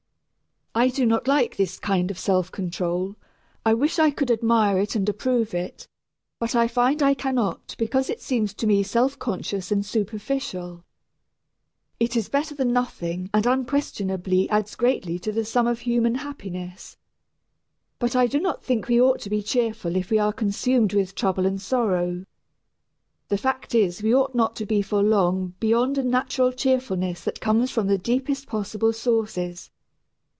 I do not like this kind of self control. I wish I could admire it and approve it, but I find I cannot because it seems to me self conscious and superficial. It is better than nothing and unquestionably adds greatly to the sum of human happiness. But I do not think we ought to be cheerful if we are consumed with trouble and sorrow. The fact is we ought not to be for long beyond a natural cheerfulness that comes from the deepest possible sources.